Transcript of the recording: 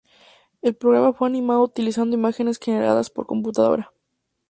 El programa fue animado utilizando imágenes generadas por computadora.